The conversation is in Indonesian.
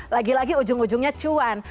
lagi lagi ujung ujungnya cuan